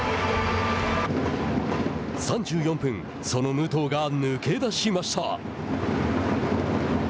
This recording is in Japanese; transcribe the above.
３４分その武藤が抜け出しました。